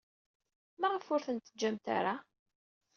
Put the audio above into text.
Maɣef ur ten-tettaǧǧamt ara?